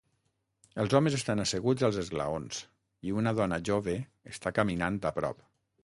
Els homes estan asseguts als esglaons i una dona jove està caminant a prop.